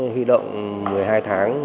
huy động một mươi hai tháng